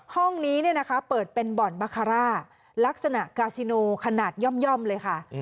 ห้องนี้เปิดเป็นบ่อนบาคาร่าลักษณะกาซิโนขนาดย่อมเลยค่ะ